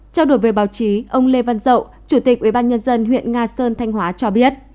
trong đổi về báo chí ông lê văn dậu chủ tịch ubnd huyện nga sơn thanh hóa cho biết